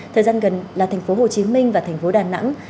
thời gian gần là thành phố hồ chí minh và thành phố đà nẵng